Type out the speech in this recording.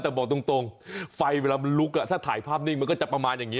เราบอกตรงไฟเวลามันลุกถ้าถ่ายภาพนี้มันก็จะประมาณแบบนี้